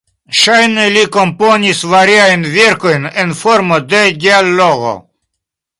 Ŝajne li komponis variajn verkojn en formo de dialogo.